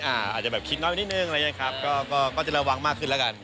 อาจจะแบบคิดน้อยไปนิดนึงอะไรอย่างเงี้ครับก็ก็จะระวังมากขึ้นแล้วกัน